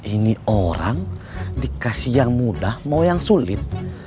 ini orang dikasih yang mudah mau yang sulit